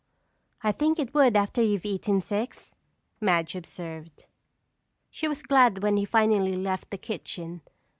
"I'd think it would after you've eaten six," Madge observed. She was glad when he finally left the kitchen.